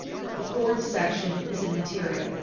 The fourth section is immaterial.